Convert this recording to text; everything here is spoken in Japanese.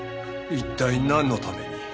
一体なんのために？